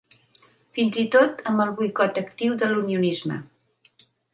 Fins i tot amb el boicot actiu de l’unionisme.